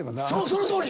そのとおり！